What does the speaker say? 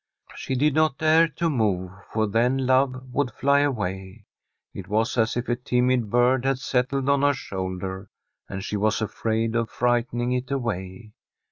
' She did not dare to move, for then love would fly away. It was as if a timid bird had settled on her shoulder, and she was afraid of frightening it away.